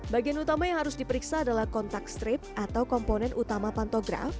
bagian utama yang harus diperiksa adalah kontak strip atau komponen utama pantograf